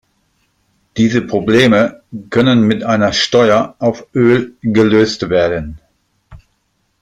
Diese Probleme können mit einer Steuer auf Öl gelöst werden.